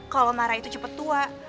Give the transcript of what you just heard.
kalo marah itu cepet tua